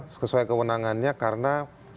sesuai kewenangannya karena